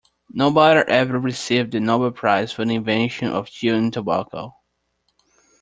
Nobody ever received the Nobel prize for the invention of chewing tobacco.